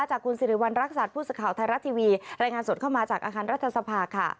จากคุณสิริวัณรักษัตริย์ผู้สื่อข่าวไทยรัฐทีวีรายงานสดเข้ามาจากอาคารรัฐสภาค่ะ